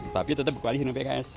tapi tetap berkoalisi dengan pks